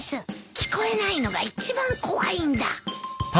聞こえないのが一番怖いんだ。